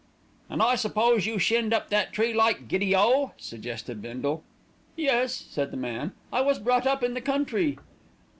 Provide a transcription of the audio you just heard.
"And I suppose you shinned up that tree like giddy o?" suggested Bindle. "Yes," said the man, "I was brought up in the country."